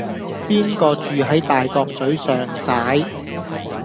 邊個住喺大角嘴尚璽